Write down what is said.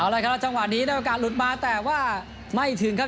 แล้วพอจังหวะนี้นะครับโอกาสลุดมาแต่ว่าไม่ถึงครับ